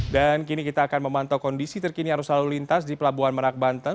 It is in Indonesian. dan kini kita akan memantau kondisi terkini yang harus selalu lintas di pelabuhan merak banten